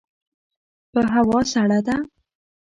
یه هوا سړه ده !